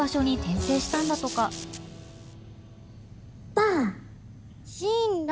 ばあ！